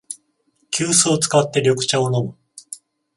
急須を使って緑茶を飲む